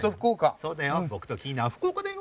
そうだよ